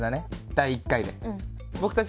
第１回で。